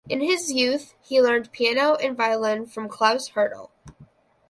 In his youth he learned piano and violin from Klaus Hertel.